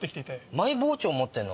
マイ包丁持ってんの？